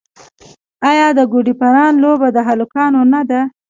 آیا د ګوډي پران لوبه د هلکانو نه ده؟